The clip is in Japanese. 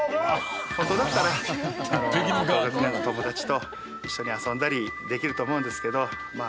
ホントだったら同学年の友達と一緒に遊んだりできると思うんですけどまあ